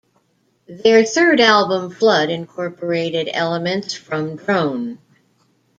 Their third album "Flood" incorporated elements from drone.